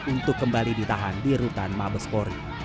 untuk kembali ditahan di rutan mabes pory